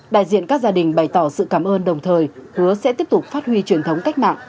đại diện các gia đình bày tỏ sự cảm ơn đồng thời hứa sẽ tiếp tục phát huy truyền thống cách mạng